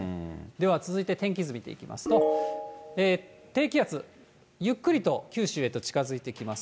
では続いて天気図見ていきますと、低気圧、ゆっくりと九州へと近づいてきます。